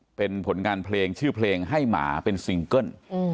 อันนี้เป็นช่วงผลงานเพลงชื่อเพลงให้หมาเป็นซิงเกิ้ล